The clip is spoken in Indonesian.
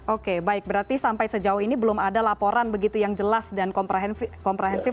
oke baik berarti sampai sejauh ini belum ada laporan begitu yang jelas dan komprehensif